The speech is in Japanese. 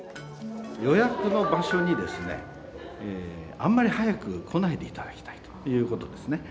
予約の場所にあまり早く来ないでいただきたいということです。